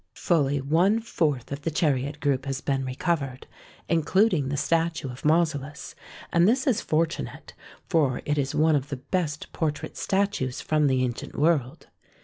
Fully one fourth of the chariot group has been recovered, including the statue of Mausolus, and this is fortunate, for it is one of the best portrait statues from the ancient world.